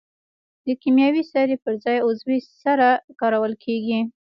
د کیمیاوي سرې پر ځای عضوي سره کارول کیږي.